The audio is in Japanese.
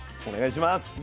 お願いします。